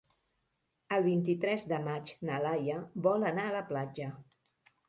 El vint-i-tres de maig na Laia vol anar a la platja.